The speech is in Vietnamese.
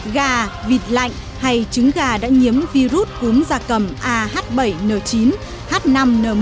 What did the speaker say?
gà vịt lạnh hay trứng gà đã nhiễm virus cúm da cầm ah bảy n chín h năm n một